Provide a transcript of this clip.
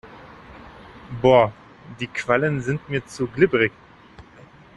Boah, die Quallen sind mir zu glibberig.